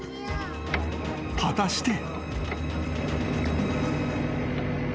［果たして］